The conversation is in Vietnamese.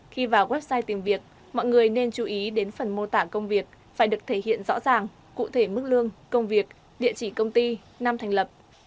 khi vào website tìm việc mọi người nên chú ý đến phần mô tả công việc phải được thể hiện rõ ràng cụ thể mức lương công việc địa chỉ công ty năm thành lập